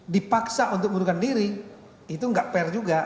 dipaksa untuk mundurkan diri itu enggak fair juga